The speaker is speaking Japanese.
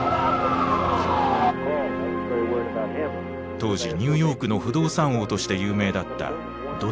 当時ニューヨークの不動産王として有名だったドナルド・トランプ。